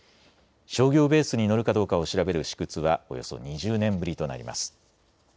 商業ベースに乗るかどうかを調べる試掘はおよそ２０年ぶりとなります。